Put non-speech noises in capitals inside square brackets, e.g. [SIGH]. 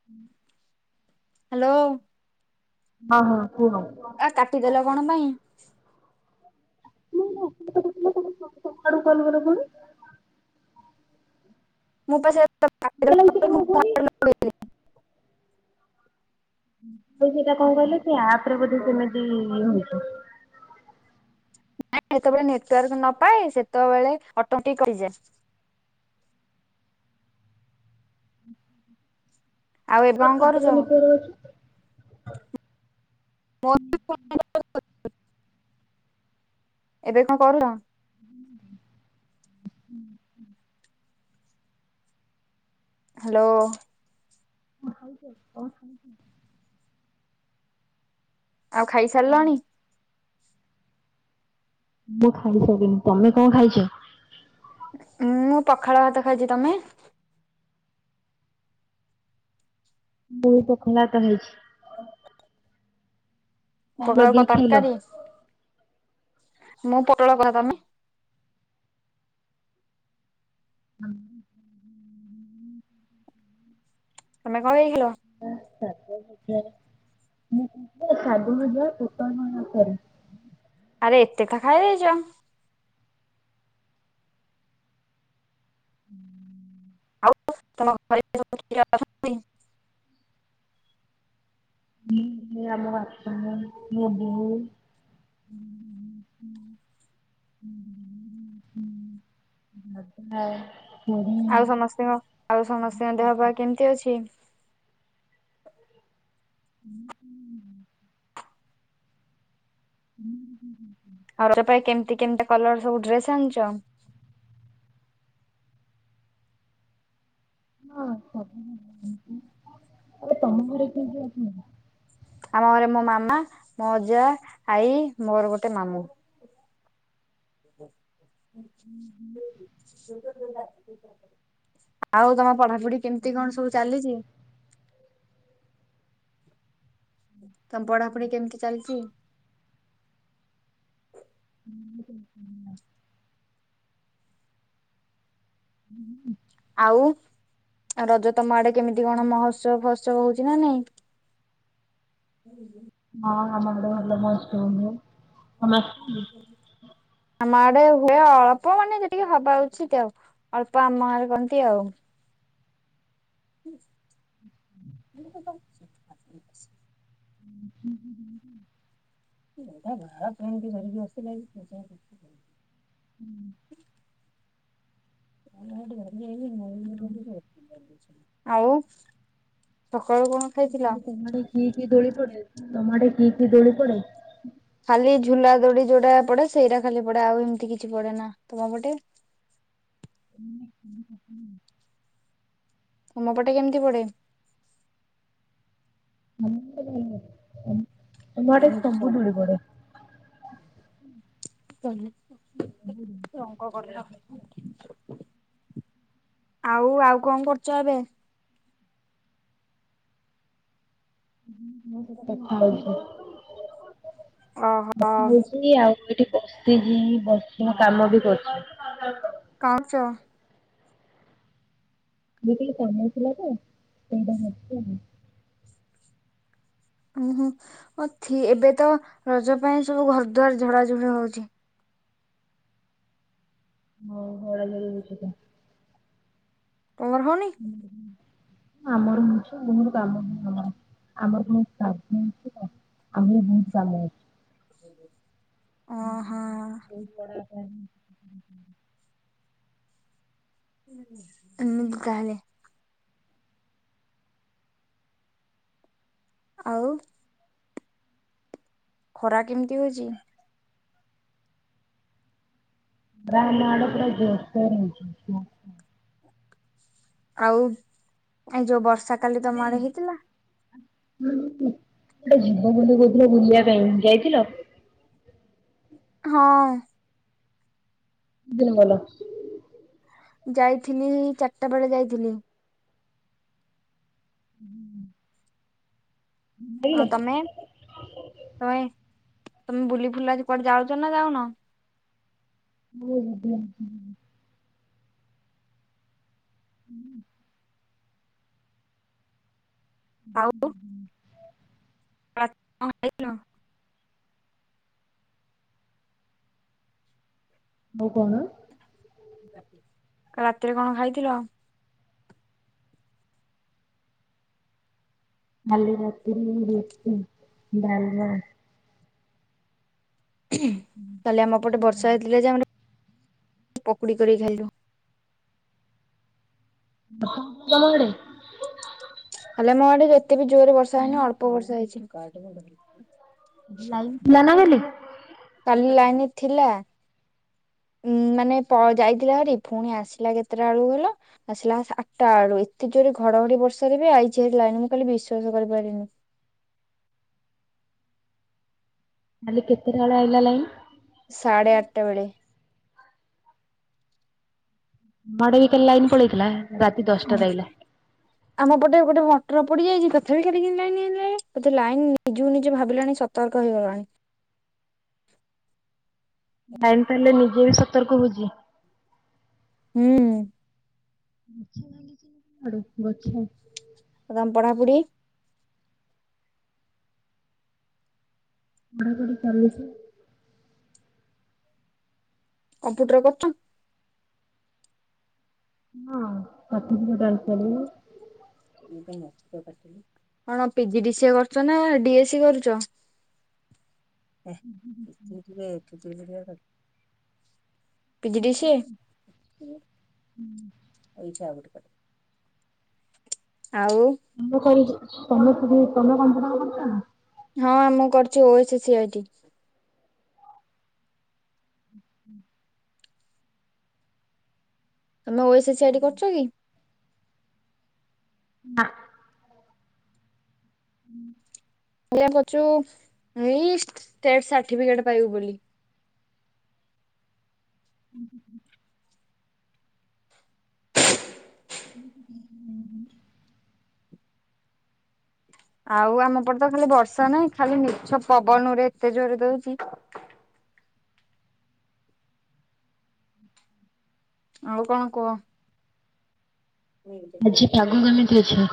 [INAUDIBLE] Hello ହଁ ହଁ କୁହ। ଆ କାଟିଦେଲ କଣ ପାଇଁ? [UNINTELLIGIBLE] ମୁଁ ପା ସେତ ପା [UNINTELLIGIBLE] ସେଇଟା କଣ କହିଲ? ସେ ଆପରେ ବୋଧେ ସେମିତି ହେଇଚି। ନାଇଁ ଯେତେବେଳେ ନେଟୱାର୍କ ନପାଏ ସେତେବେଳେ ଅଟୋମ୍ୟାଟିକ କଟିଯାଏ। ଆଉ ଏବେ କଣ କରୁଛ? [UNINTELLIGIBLE] ଏବେ କଣ କରୁଚ? ହ୍ୟାଲୋ। ଖାଇଛ କଣ ଖାଉଛ? ଆଉ ଖାଇସାରିଲାଣି? ମୁଁ ଖାଇସାରିନି। ତମେ କଣ ଖାଇଛ? ମୁଁ ପଖାଳ ଭାତ ଖାଇଛି। ତମେ? ମୁଁ ପଖାଲ ଭାତ ଖାଇଛି। କଣ ପଖାଳକୁ କ ଲଗେଇକି ଖାଇଲ? ତରକାରୀ? [INAUDIBLE] ମୁଁ ପୋଟଳ କହ ତମେ? [INAUDIBLE] ତମେ କଣ ହେଇଥିଲ? [UNINTELLIGIBLE] ଆରେ ଏତେ [UNINTELLIGIBLE] ଖାଇ ଦେଇଛ। [INAUDIBLE] [UNINTELLIGIBLE] ହଁ ଆମ [UNINTELLIGIBLE] ମୋ ବୋଉ। [INAUDIBLE] [INAUDIBLE] [UNINTELLIGIBLE] ଆଉ ସମସ୍ତଙ୍କ ଆଉ ସମସ୍ତଙ୍କ ଦେହ ବା କେମିତି ଅଛି? [UNINTELLIGIBLE] [UNINTELLIGIBLE] ରଜ ପାଇଁ କେମିତି କେମିତି କଲର ସବୁ ଡ୍ରେସ ଆଣିଛ? ହଁ [UNINTELLIGIBLE] ଆରେ ତମ ଘରେ କିଏ କିଏ ଅଛନ୍ତି? ଆମ ଘରେ ମୋ ମାମା, ମୋ ଅଜା, ଆଈ, ମୋର ଗୋଟେ ମାମୁଁ। [UNINTELLIGIBLE] [UNINTELLIGIBLE] ଆଉ ତମ ପଢାପଢି କେମତି କଣ ସବୁ ଚାଲିଛି? [INAUDIBLE] ତମ ପଢାପଢି କେମିତି ଚାଲିଛି? [UNINTELLIGIBLE] [INAUDIBLE] ଆଉ ରଜ ତମ ଆଡେ କେମିତି କଣ ମହୋତ୍ସବ ଫହ ତ୍ସବ ହଉଛି ନା ନାଇଁ? [INAUDIBLE] ହଁ ଆମ ଆଡ଼େ ଭଲ ମହତ୍ସବ ହୁଏ। [UNINTELLIGIBLE] ଆମ ଆଡେ ହୁଏ ଅଳ୍ପ ମାନେ ଯେତିକି ହବା ଉଚିତ ଆଉ। ଅଳ୍ପ ଆମ ଆଡେ କରନ୍ତି ଆଉ। [UNINTELLIGIBLE] [INAUDIBLE] [INAUDIBLE] [UNINTELLIGIBLE] ହୁଁ। [INAUDIBLE] ଆଉ ସକାଳୁ କଣ ଖାଇଥିଲ? ତମ ଆଡେ କି କି ଦୋଳି ପଡେ ତମ ଆଡ଼େ କି କି ଦୋଳି ପଡେ। ଖାଲି ଝୁଲା ଦୋଡି ଯୋଉଟା ପଡେ ସେଇଟା ଖାଲି ପଡେ ଆଉ ଏମିତି କିଛି ପଡେ ନା ତମ ପଟେ। [INAUDIBLE] ତମ ପଟେ କେମିତି ପଡ଼େ? ଆମ ପଟେ ଭଲ ପଡ଼େ [INAUDIBLE] [INAUDIBLE] ରଙ୍ଗ କରୁଥାଅ ଆଉ ଆଉ କଣ କରୁଛ ଏବେ। ମୁଁ କଥା ହଉଛି ଓହୋ କଥା ହଉଛି ଆଉ ଏଠି ବସିଛି ବସି ମୁଁ କାମ ବି କରୁଛି। କଣ କରୁଛ। ଦି କିଲ ପନିର ଥିଲା ତ ସେଇଟା କଟୁଛି ଆଉ। ଓ ହୋଁ ଅଥି ଏବେ ତ ରଜ ପାଇଁ ସବୁ ଘର ଦୁଆର ଝଡା ଝଡି ହଉଛି। ହଁ ହଳ ଧରି ବିଛି ତ। ତମର ହଉନି। ହଉ ଆମର ହଉଛି ବହୁତ କାମ ଆମର। ଆମର କଣ ଶ୍ରାଧ ଅଛି ତ ଆହୁରି ବହୁତ କାମ ଅଛି। ଓହୋ। [INAUDIBLE] ଏମିତି ତାହେଲେ। ଆଉ। ଖରା କେମିତି ହଉଛି? ନା ଆମଆଡେ ପୁରା ଜରସେ ହଉଛି। ଆଉ ଏଇ ଯୋଉ ବର୍ଷା କାଲି ତମ ଆଡେ ହେଇଥିଲା। ହଁ ଗୋଟେ ହେ ଯିବ ବୋଲି କହୁଥିଲ ବୁଲିବା ପାଇଁ ଯାଇଥିଲ। ହଁ। କୁ ଦିନ ଗୋଲ। ଯାଇଥିଲି ଚାରିଟା ବେଳେ ଯାଇଥିଲି। ହୁଁ। ଆଉ ତମେ ତମେ ତମେ ବୁଲି ଫୁଲି କୁଆଡେ ଯାଉଛ ନା ଯାଉନ? [INAUDIBLE] ହୁଁ। ଆଉ ରାତିରେ କଣ ଖାଇଥିଲ? ଆଉ କଣ? ରାତିରେ କଣ ଖାଇଥିଲ? କାଲି ରାତିରେ ରୁଟି ଡ଼ାଲମା। କାଲି ଆମ ପଟେ ବର୍ଷା ହେଇଥିଲା ଯେ ଆମର ପକୁଡ଼ି କରିକି ଖାଇଲୁ। ବର୍ଷା ହଉଛି ତୋମ ଆଡେ? କାଲି ଆମୋ ଆଡେ ଏତେ ବି ଜୋରରେ ବର୍ଷା ଲାଇନ ହେଇନି ଅଳ୍ପ ବର୍ଷା ହେଇଛି। ଲାଇନ୍ ଥିଲା ନା କାଲି? କାଲି ଲାଇନ ଥିଲା। ଉଁ ମାନେ ପ ଯାଇଥିଲା ହାରି ପୁଣି ଆସିଲା କେତେଟା ବେଳକୁ କହିଲ। ଆସିଲା ଆଠଟା ବେଳୁ ଏତେ ଜୋରେ ଘଡଘଡି ବର୍ଷାରେ ବି ଆଇଚି ଭାରି ଲାଇନି ମୁଁ କାଲି ବିଶ୍ୱାସ କରିପାରିଲିନି। କାଲି କେତେଟା ବେଳେ ଆଇଲା ଲାଇନି। ସାଢ଼େ ଆଠଟା ବେଳେ। ମାଡ ବିିକା ଲାଇନ୍ ପଳେଇଥିଲା ରାତି ଦଶଟା ରେ ଆଇଲା। [UNINTELLIGIBLE] ଆମ ପଟେ ଗୋଟେ ମଟର ପୋଡ଼ି ଯାଇଛି ତଥାପି କାଲି କେମିତି ଲାଇନ ଅଇଲାଇ ଲାଇନି ନିଜକୁ ନିଜେ ଭାବିଲାଣି ସ। ସତର୍କ ହେଇଗଲାଣି। ଲାଇନି ତାହେଲେ ନିଜେ ବି ସତର୍କ ହଉଛି। ହୁଁ। ଗଛ ଲାଗିଛି ନା କ'ଣ ଛ ଆଡୁ ଗଛ। ଆଉ ତମ ପଢାପଢ଼ି। ପଢ଼ାପଢି ଚାଲିଛି। କମ୍ପୁଟର କରୁଛୁ। ହଁ ପତିକୋଟା [INAUDIBLE] [INAUDIBLE] କ'ଣ ପିଜି ଡ଼ି ସିଏ କରୁଛ ନା ଡି ଏ ସି କରୁଛ। ଏ [INAUDIBLE] ପିଜି ଡ଼ି ସିଏ [INAUDIBLE] ଆଉ। ତମେ କରିକି ତମେ ସବୁ [INAUDIBLE] ହଁ ମୁଁ କରିଛି ଓଏସ୍ ସି ଆଇ ଟି। ଉଁ ହୁଁ। ତମେ ଓଏସେ ସି ଆଇ ଟି କରୁଛ କି। ନାଁ। ହୁଁ। ଇଆ ପଛୁ ଏଇ ଟେଥେ ସାର୍ଟିଫିକେଟ ପାଇବୁ ବୋଲି। [UNINTELLIGIBLE] ଆଉ ଆମ ପଟ ତ ଖାଲି ବର୍ଷା ନାହିଁ ଖାଲି ମିଛ ପବନ ରେ ଏତେ ଜୋରେ ଦଉଛି। ଆଉ କ'ଣ କୁହ। ଆଜି ପାଗୁ ମାନେ ଦେଇଛ।